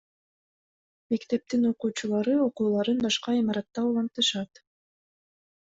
Мектептин окуучулары окууларын башка имаратта улантышат.